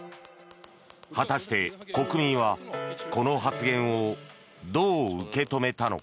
果たして、国民はこの発言をどう受け止めたのか。